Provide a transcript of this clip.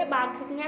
bà không nghe